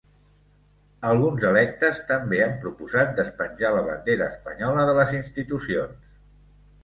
Alguns electes també han proposat despenjar la bandera espanyola de les institucions.